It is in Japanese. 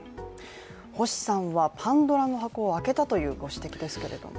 星さんはパンドラの箱を開けたというご指摘でしたけれども。